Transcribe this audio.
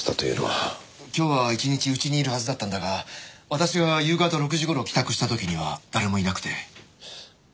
今日は一日家にいるはずだったんだが私が夕方６時頃帰宅した時には誰もいなくて。